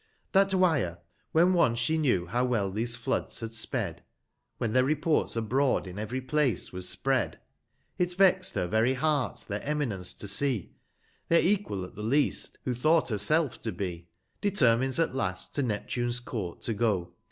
[sped, That JVijre, when once she knew how well these Floods had (When their reports abroad in every place was spread) It vex'd her very heart, their eminence to see, Their equal (at the least) who thought herself to be, 150 Determines at the last to Neptune's Court to go.